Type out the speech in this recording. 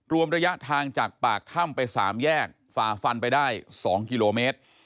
รวมระยะทางจากปากถ้ำไป๓แยกฝ่าฟันไปได้๒กิโลเมตร